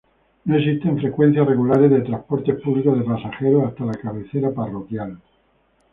No existen frecuencias regulares de transporte público de pasajeros hasta la cabecera parroquial.